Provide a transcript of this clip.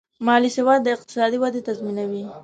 مالي سواد د اقتصادي ودې تضمینوي.